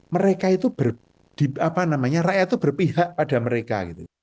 mereka itu ber apa namanya rakyat itu berpihak pada mereka